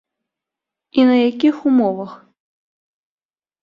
І на якіх умовах?